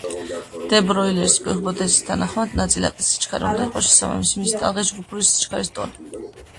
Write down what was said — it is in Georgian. დე ბროილის ჰიპოთეზის თანახმად ნაწილაკის სიჩქარე უნდა იყოს შესაბამისი მისი ტალღის ჯგუფური სიჩქარის ტოლი.